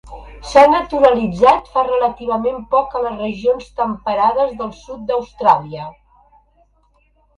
S'ha naturalitzat fa relativament poc a les regions temperades del sud d'Austràlia.